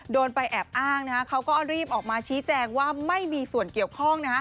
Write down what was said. โดนไปแอบอ้างเขาก็รีบออกมาชี้แจงว่าไม่มีส่วนเกี่ยวข้อง